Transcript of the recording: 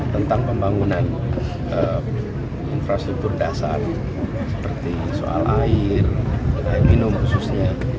tentang pembangunan infrastruktur dasar seperti soal air minum khususnya